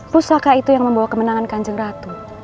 pusaka itu yang membawa kemenangan kanjeng ratu